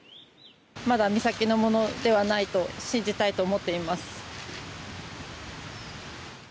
まだ美咲のものではないと信じたいと思っています。